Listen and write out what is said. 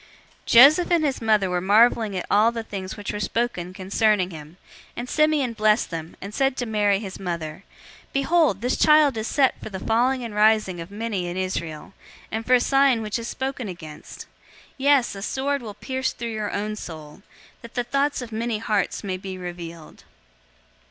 002:033 Joseph and his mother were marveling at the things which were spoken concerning him, 002:034 and Simeon blessed them, and said to Mary, his mother, "Behold, this child is set for the falling and the rising of many in Israel, and for a sign which is spoken against. 002:035 Yes, a sword will pierce through your own soul, that the thoughts of many hearts may be revealed."